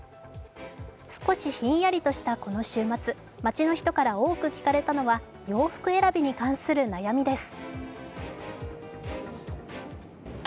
少しひんやりとしたこの週末、街の人から多く聞かれたのは洋服選びに関する悩みです。